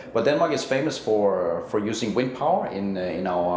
tapi denmark terkenal untuk menggunakan kekuatan udara